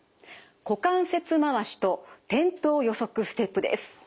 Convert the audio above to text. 股関節回しと転倒予測ステップです。